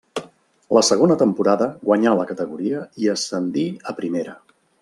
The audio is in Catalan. La segona temporada guanyà la categoria i ascendí a Primera.